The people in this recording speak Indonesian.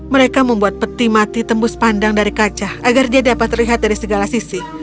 mereka membuat peti mati tembus pandang dari kaca agar dia dapat terlihat dari segala sisi